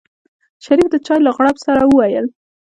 شريف د چای له غړپ سره وويل.